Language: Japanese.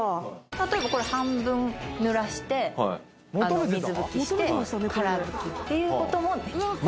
例えばこれ半分濡らしてはい水拭きしてから拭きっていうこともできます